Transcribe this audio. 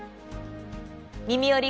「みみより！